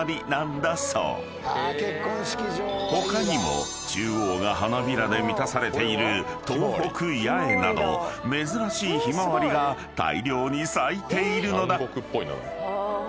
［他にも中央が花びらで満たされている東北八重など珍しいひまわりが大量に咲いているのだ］